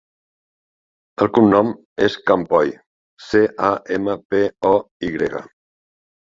El cognom és Campoy: ce, a, ema, pe, o, i grega.